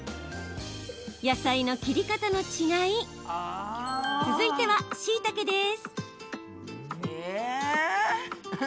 野菜の切り方の違い続いてはしいたけです。